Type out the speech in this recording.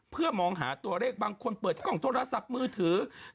เพื่อมองหาตัวเลขบางคนเปิดกล้องโทรศัพท์มือถือ